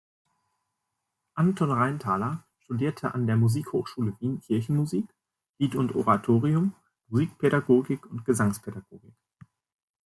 Anton Reinthaler studierte an der Musikhochschule Wien Kirchenmusik, Lied und Oratorium, Musikpädagogik und Gesangspädagogik.